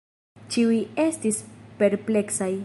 Ĉiuj estis perpleksaj.